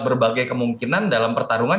berbagai kemungkinan dalam pertarungan